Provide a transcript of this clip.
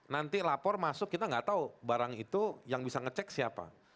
nanti lapor masuk kita nggak tahu barang itu yang bisa ngecek siapa